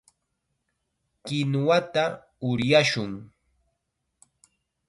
Kinuwata uryashun.